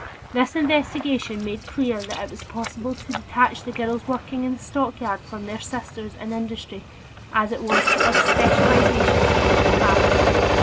This investigation made clear that it was as impossible to detach the girls working in the stockyards from their sisters in industry as it was to urge special legislation on their behalf.